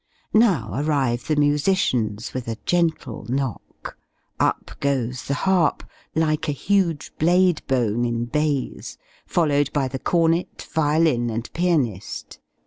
Now arrive the musicians, with a gentle knock: up goes the harp (like a huge blade bone in baize), followed by the cornet, violin, and pianist.